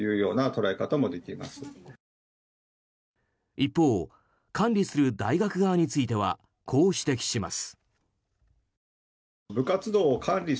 一方管理する大学側についてはこう指摘します。